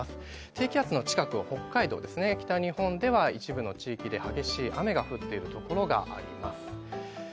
低気圧の近く、北海道、北日本では一部の地域で激しい雨が降っているところがあります。